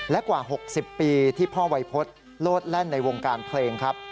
และกว่า๖๐ปีที่พ่อวัยพฤษโลดแล่นในวงการเพลงครับ